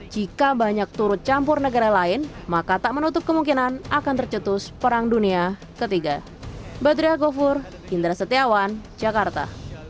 jika banyak turut campur negara lain maka tak menutup kemungkinan akan tercetus perang dunia ketiga